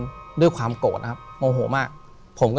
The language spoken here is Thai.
ถูกต้องไหมครับถูกต้องไหมครับ